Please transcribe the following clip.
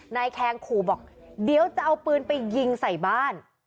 นายแคงขู่บอกเดี๋ยวจะเอาปืนไปยิงใส่บ้าน